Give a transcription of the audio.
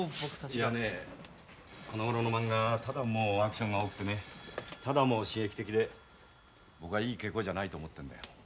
いやねこのごろのまんがはただもうアクションが多くてねただもう刺激的で僕はいい傾向じゃないと思ってるんだよ。